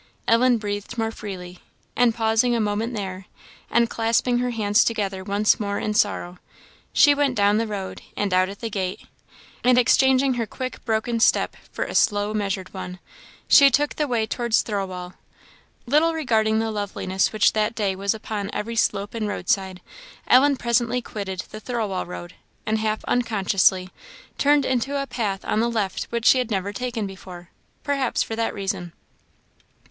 Ellen breathed more freely, and pausing a moment there, and clasping her hands together once more in sorrow, she went down the road, and out at the gate, and exchanging her quick, broken step for a slow, measured one, she took the way towards Thirlwall. Little regarding the loveliness which that day was upon every slope and roadside, Ellen presently quitted the Thirlwall road, and, half unconsciously, turned into a path on the left which she had never taken before perhaps for that reason.